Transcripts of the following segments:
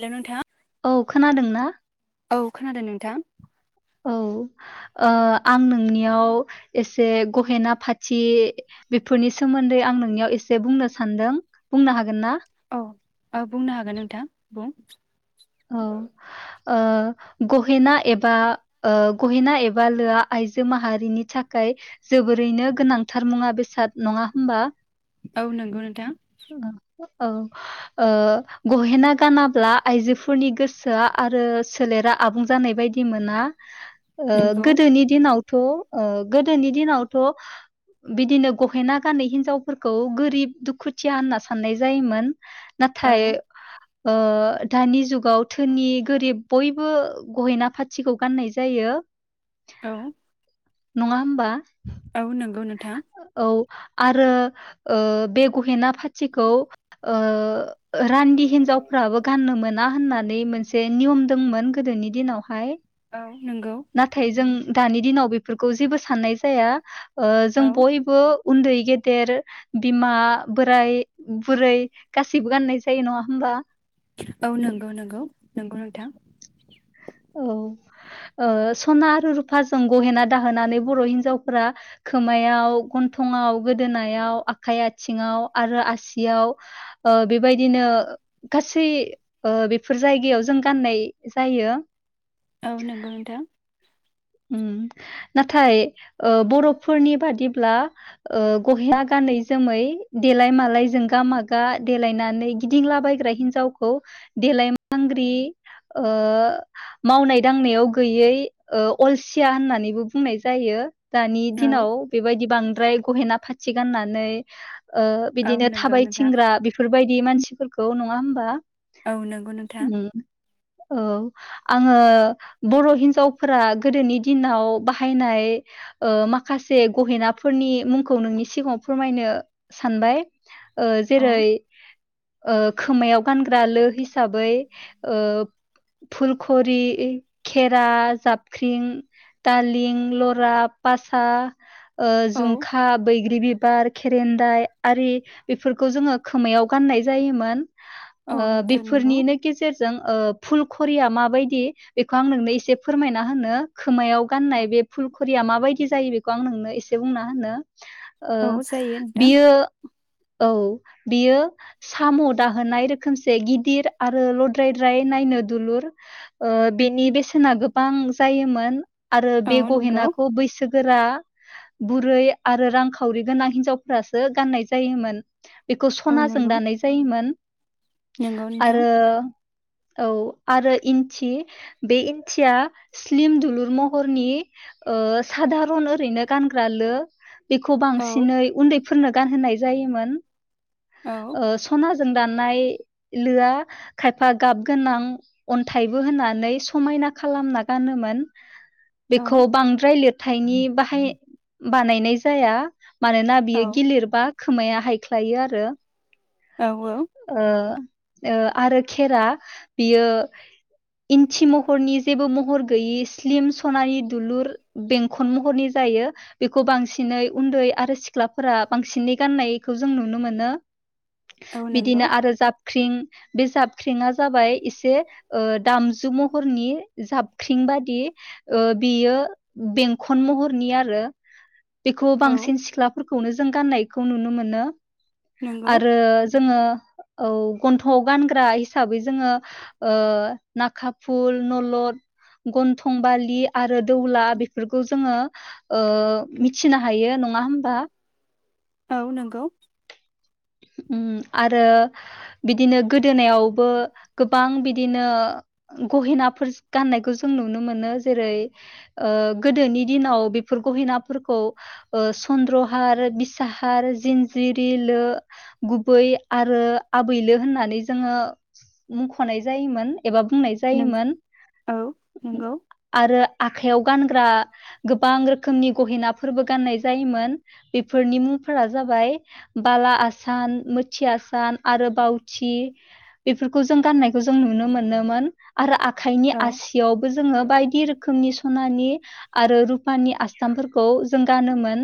Hello नोंथां औ खोनादों ना? औ खोनादों नोंथां। औ ओ आं नोंनियाव एसे गहेना पाथि बेफोरनि सोमोन्दै आं नोंनियाव एसे बुंनो सान्दों बुंनो हागोन ना? औ ओ बुंनो हागोन नोंथां बुं। औ ओ गहेना एबा ओ गहेना एबा लोआ आइजो माहारिनि थाखाय जोबोरैनो गोनांथार मुङा बेसाद नङा होमबा। औ नंगौ नोंथां। औ ओ गहेना गानाब्ला आइजो फोरनि गोसोआ आरो सोलेरा आबुं जानाय बायदि मोना। ओ नंगौ गोदोनि दिनाव थ' ओ गोदोनि दिनावथ' बिदिनो गहेना गानै हिनजावफोरखौ गोरिब दुखुथिया होनना साननाय जायोमोन। औ नाथाय ओ दानि जुग गाव धोनि गोरिब बयबो गहेना फाथिखौ गाननाय जायो। औ नङा होमबा। औ नंगौ नोंथां। औ आरो ओ बे गहेना फाथिखौ ओ रान्दि हिन्जावफ्राबो गाननो मोना होनना नै मोनसे नियम दंमोन गोदोनि दिनावहाय। औ नोंगौ नाथाय जों दानि दिनाव बेफोरखौ जेबो साननाय जाया ओ जों औ बयबो उन्दै गेदेर बिमा बोराय बुरै गासिबो गाननाय जायो नङा होमबा औ नोंगौ नोंगौ नोंगौ नोंथां औ ओ सना आरो रुफाजों गहेना दाहोनानै बर' हिन्जावफोरा खोमायाव गन्थंआव गोदोनायाव आखाइ आथिङाव आरो आसियाव ओ बेबायदिनो गासै ओ बेफोर जायगायाव जों गाननाय जायो। औ नोंगौ नोंथां। ओम नाथाय ओ बर'फोरनि बादिब्ला ओ गहेना गानै जोमै देलाय मालायजों जोंगा मागा देलायनानै गिदिंलाबायग्रा हिन्जावखौ देलाय मांग्रि ओ मावनाय दांनायाव गैयै ओ अलसिया होननानैबो बुंनाय जायो। दानि औ दिनाव बेबायदि बांद्राय गहेना फा थि गान्नानै ओ औ बिदिनो नंगौ नोंथां थाबायथिंग्रा बेफोरबायदि मानसि फोरखौ नङा होमबा औ नोंगौ नोंथां उम औ आङो बर' हिन्जावफोरा गोदोनि दिनाव बाहायनाय माखासे गहेनाफोरनि मुंखौ नोंनि सिगाङाव फोरमायनो सानबाय ओ औ जेरै ओ खोमायाव गानग्रा लो हिसाबै ओ फुलखरि खेरा जाब ख्रिं थालिं लरा पासा ओ औ जुंखा बैग्रिबि बिबार खेरेनदाय आरि बेफोरखौ जोङो खोमायाव गाननाय जायोमोन औ ओ नोंथां नंगौ बेफोरनिनो गेजेरजों ओ फुल खरिया माबायदि बेखौ आं नोंनो इसे फोरमाय ना होनो खोमायाव गाननाय बे फुलखौ या माबायदि जायो बेखौ आं नोंनो इसे बुंना होनो ओ औ जायो नोंथां बियो औ बियो साम' दाहोनाय रोखोमसे गिदिर आरो लद्रायद्राय नायनो दुलुर ओ बेनि बेसेना गोब बां जायोमोन आरो औ बे नंगौ गहेनाखौ बैसोगोरा बुरै आरो रांखावरि गोनां हिनजावफोरासो गाननाय जायोमोन बेखौ औ सनाजों नंगौ दानाय जायोमोन नंगौ नोंथां आरो औ आरो इन्थि बे इन्थिया स्लिम दुलुर महरनि ओ सादारन ओरैनो गानग्र लो बेखौ औ बांसिनै उन्दै फोरनो गानहोनाय जायोमोन औ ओ स'ना जों दानाय लोआ खायफा गाब गोनां अन्थाइबो होननानै समायना खालामना फानोमोन बेखौ बांद्राय लिरथायनि बाहाय बानायनाय जाया मानोना औ बियो गिलिर बा खोमाया हायख्लायो आरो औ ओ आरो खेरा बियो इन्थि महरनि जेबो महर गैयै स्लिम सनानि दुलुर बेंखन महरनि जायो बेखौ बांसिनै उन्दै आरो सिख्लाफोरा बांसिनै गाननायखौ जों नुनो मोनो औ बिदिनो नंगौ आरो जा ख्रिं बे जाबख्रिंआ जाबाय एसे ओ दामजु महरनि जाब ख्रिं बादि ओ बेयो बेंखन महरनि आरो बेखौ औ बांसिन सिख्लाफोर खौनो जों गाननायखौ नुनो मोनो नंगौ आरो जोङो औ गन्थ'आव गानग्रा हिसाबै जोङो ओ नाखा फुल नलद गन्थंबालि आरो दौला बेफोरखौ जोङो ओ मिथिनो हायो नङा होमबा औ नंगौ ओम आरो बिदिनो गोदोनायावबो गोबां बिदिनो गहेनाफोर गाननायखौ जों नुनो मोनो जेरै ओ गोदोनि दिनाव बेफोर गहिनाफोरखौ ओ सन्द्रहार बिसाहार जिनजिरिलो गुबै आरो आबैलो होननानै जोङो मुंख'नाय जायोमोन एबा बुंनाय नंगौ जायोमोन औ नोंगौ आरो आखाइयाव गानग्रा गोबां रोखोमनि गहेनाफोरबो गाननाय जायोमोन बेफोरनि मुंफोरा जाबाय बाला आसान मोथि आसान आरो बाावथि बेफोरखौ जों गाननायखौ जों नुनो मोनोमोन आरो आखाय औ आसियावबो जोङो बायदि रोखोमनि स'नानि आरो रु'पानि आस्थामफोरखौ जों गानोमोन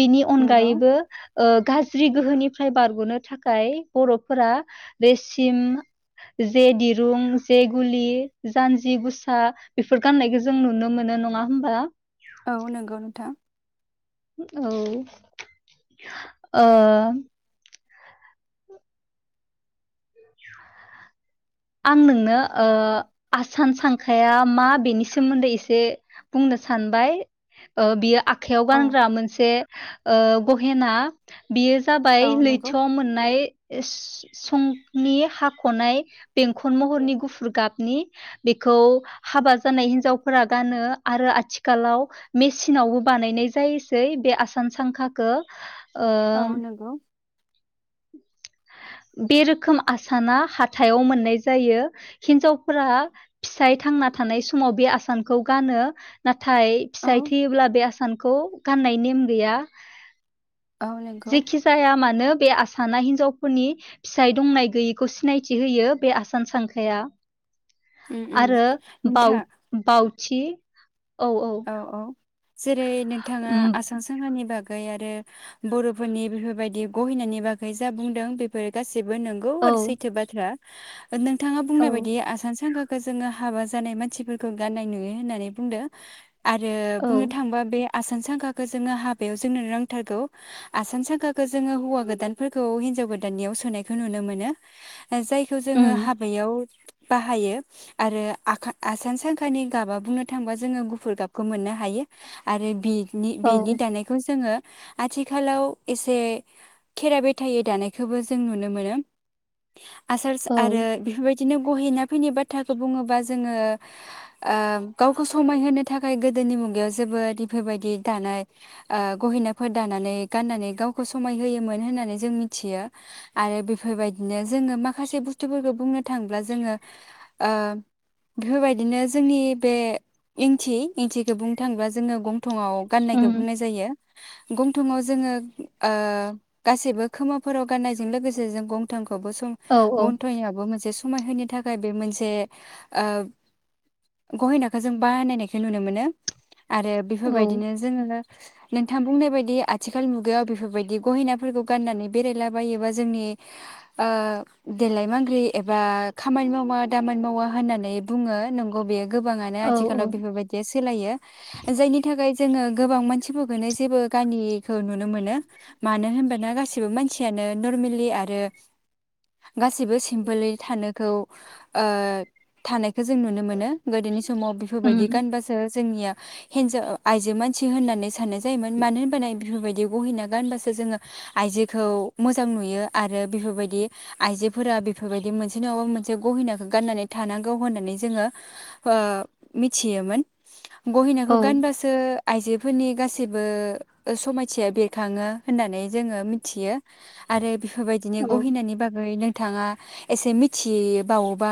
बिनि नंगौ अनगायैबो ओ गाज्रि गोहोनिफ्राय बारग'नो थाखाय बर'फोरा रेसिम जे दिरुं जे गुलि जानजि गुसा बेफोर गान्नायखौ जों नुनो मोनो नङा होमबा औ नंगौ नोंथां औ ओ आं नोंनो ओ आसान सांखाया मा बेनि सोमोन्दै एसे बुंनो सानबाय ओ बियो आखाइयाव औ गानग्रा मोनसे ओ गहेना बेयो जाबाय औ नंगौ लैथोआव मोननाय सं नि हाख'नाय बेंखन महरनि गुफुर गाबनि बेखौ हाबा जानाय हिनजावफोरा गानो आरो आथिखालाव मेसिनावबो बानायनाय जायोसै बे आसान सांखाखौ ओ औ नोंगौ बे रोखोम आसाना हाथायाव मोननाय जायो हिनजावफोरा फिसाय थांना थानाय समाव बे आसानखौ गानो नाथाय नाथाय औ फिसाइ थैयोब्ला बे आसानखौ गाननाय नेम गैया औ नंगौ जेखि जाया मानो बे आस साना हिन्जावफोरनि फिसाय दंनाय गैयिखौ सिनायथि होयो बे आसान सांखाया उम उम आरो बाउ नोंथां बाउथि औ औ जेरै नोंथाङा उम आसान सांखानि बागै गै आरो बरफोरनि बेफोरबायदि गहिनायनि बागै जा बुंदों बेफोर गासि बेबो नंगौ औ आरो सैथो बाथ्रा नोंथाङा औ बुंनाय बायदि आसान सांखाखौ जोङो हाबा जानाय मानसिफोरखौ गाननाय नुयो होननानै बुंदो आरो औ बुंनो थाङोबा बे आसान सांखाखौ जोङो हाबायाव जोंनो नांथारगौ आसान सांखाखौ जोङो हौवा गोदानफोरखौ हिनजाव गोदाननियाव सोनायखौ नुनो मोनो जायखौ जोङो उम हाबायाव बाहायो आरो आखा आसान सांखानि गाबा बुंनो थाङोबा जोङो गुफुर गाब खौ मोननो हायो आरो बि नि औ बिनि दानायखौ जोङो आथिखालाव एसे खेरा बेथायै दानायखौबो जों नुनो मोनो आसार औ आरो बेफोरबाय बिदिनो गहेना फैनाय बाथ्राखौ बुङोबा जोङो ओ गावखौ समायहोनो थाख खाय गोदोनि मुगायाव जोबोद बेफोरबायदि दानाय ओ गहिनाफोर दानानै गाननानै गावखौ समाय होयोमोन होननानै जों मिथियो आरो बेफोरबायदिनो जोङो माखासे बुस्थुफोरखौ बुंनो थाङोब्ला जोङो ओ बेफोरबायदिनो जोंनि बे इंथि इंन्थिखौ बुंनो थाङोबा जोङो गं न्थङाव गान्नायखौ उम बुंनाय जायो गन्थंआव जोङो ओ गासैबो खोमाफोराव गाननायजों लोगोसे जों गंथं याव बो जों औ गन्थंनियाबो मोनसे समायहोनो थाखाय बे मोनसे ओ गहेनाखौ जों बाहानायनाय खो नुनो मोनो आरो औ बेफोरबायदिनो जोङो नोंथां बुंनाय बायदि आथिखाल मुगायाव बेफोरबायदि गहिनाफोरखौ गाननानै बेरायलाबायोबा जोंनि ओ देलाय मांग्रि एबा खामानि मावा दामानि मावा होननानै बुङो नंगौ बेयो गोबाङानो औ औ आथिखालाव बेफोरबाय गेस सोलायो जायनि थाखाय जोङो गोबां मानसिफोरखोनो जेबो गानिखौ नुनो मोनो मानो होनबाना गासिबो मानसियानो नरमेलि आरो गासैबो सिम्पोल थानायखौ ओ थानाय खो जों नुनो मोनो गोदोनि समाव उम बेफोरबायदि बासो जोंनिया हिनजा आइजो मानसि होननानै साननाय जायोमोन मानो होनबा बेफोरबायदि गहिना गानबासो जोङो आइजोखौ मोजां नुयो आरो बेफोरबायदि आइजोफोरा बेफोरबायदि मोनसे नङाबा मोनसे गहिनाखौ गाननानै थानांगौ होननानै जोङो ओ मिथ थियोमोन गहेनाखौ औ गानबासो आइजोफोरनि गासैबो ओ समायथिया बेरखाङो होननानै जोङो मिथियो आरो बेफोरबायदिनो औ गहिनायनि बागै नोंथाङा एसे मिथियिबावोबा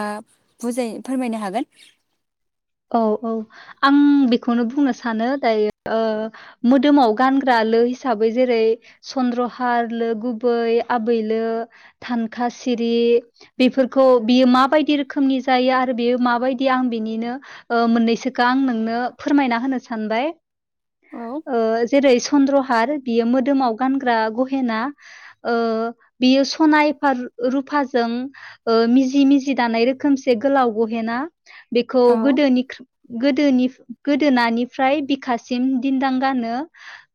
बुजाय फोरमायनो हागोन औ औ आं बेखौनो बुंनो सानो दाय ओ मोदोमाव गानग्रा लो हिसाबै जेरै सन्द्रहार लो गुबै आबैलो थानखा सिरि बेफोरखौ बियो माबायदि रोखोमनि जायो आरो बेयो माबायदि आं बिनिनो ओ मोननैसोखो आं नोंनो फोरमायना होनो सानबाय। औ ओ जेरै चन्द्रहार बियो मोदोमाव गानग्रा गहेना ओ बियो सनायफा रु रुफाजों ओ मिजि मिजि दानाय रोखोमसे गोलाव गहेना बेख औ गोदोनि ख्रु गोदोनि गोदोनानिफ्राय बिखासिम दिदां गानो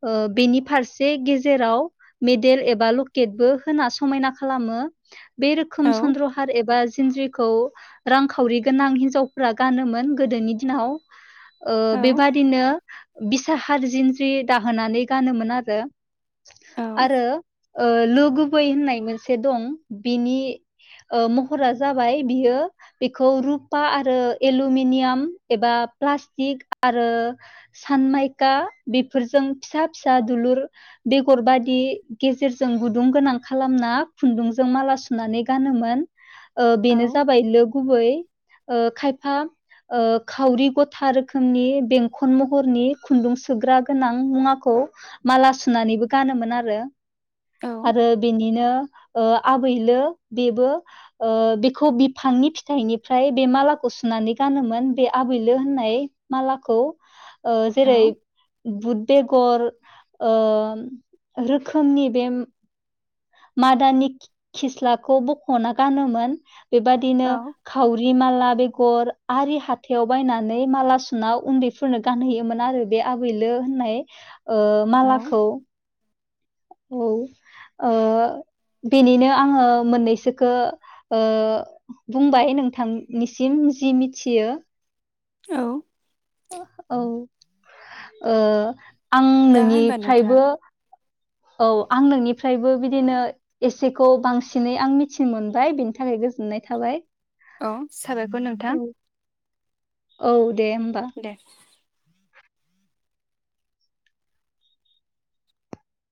ओ बेनि फारसे गेजेराव मेडेल एबा लकेटबो होना समायना खालामो बे रोखोम औ सन्द्रहार एबा जिनज्रिखौ रांखावरि गोनां हिनजावफोरा गानोमोन। गोदोनि दिनाव ओ औ बेबादिनो बिसा हार जिनज्रि दाहोनानै गानोमोन आरो। औ आरो ओ लो गुबै होननाय मोनसे दं बिनि ओ महरा जाबाय बियो बेखौ रुपा आरो एलु मिनियाम एबा प्लास्टिक आरो सानमायका बेफोरजों फिसा फिसा दुलुर बेगर बादि गेजेरजों गुदुं गोनां खालामना खुन्दुंजों माला सुनानै गानोमोन। ओ औ बेनो जाबाय लो गुबै। ओ खायफा ओ खावरि गथा रोखोमनि बेंखन महरनि खुन्दुं सोग्रा गोनां मुवाखौ माला सुनानैबो गानोमोन आरो। औ आरो बेनिनो ओ आबैलो बेबो ओ बेखौ बिफांनि फिथाइनिफ्राय बे मालाखौ सुनानै गानोमोन बे आबैलो होननाय मालाखौ। ओ जेरै बुद बेेगर ओ रोखोमनि बे मादानि खि खिस्लाखौ बखना गानोमोन। औ बेबादिनो खावरि माला बे गर आरि हाथायाव बायनानै माला सुना उन्दैफोरनो गानहैयोमोन आरो बे आबैलो होननाय। ओ मालाखौ औ ओ बेनिनो आङो मोननैसोखौ ओ बुंबाय नोंथांनिसिम जि मिथियो। औ। औ। ओ आं दा होनबा नोंथां नोंनिफ्रायबो औ आं नोंनिफ्रायबो बिदिनो एसेखौ बांसिनै आं मिथिनो मोनबाय बिनि थाखाय गोजोननाय थाबाय। औ। साबायखर नोंथां। औ औ। दे होमबा। दे